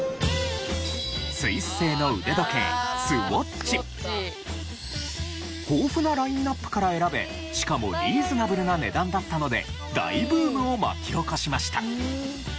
スイス製の腕時計豊富なラインアップから選べしかもリーズナブルな値段だったので大ブームを巻き起こしました。